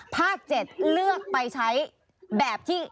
ภาค๗เลือกไปใช้แบบที่